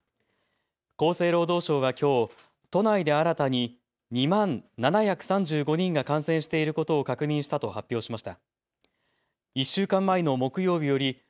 厚生労働省はきょう都内で新たに２万７３５人が感染していることを確認したと発表しました。